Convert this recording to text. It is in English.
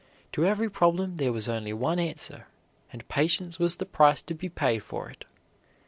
To every problem there was only one answer, and patience was the price to be paid for it.